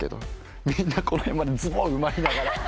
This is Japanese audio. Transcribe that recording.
みんなこの辺までズボン埋まりながら。